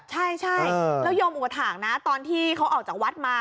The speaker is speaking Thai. ใช่แล้วโยมอุปถาคนะตอนที่เขาออกจากวัดมา